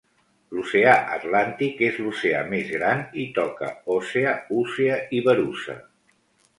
L'oceà Atlàntic és l'oceà més gran, i toca Osea, Usea i Verusa.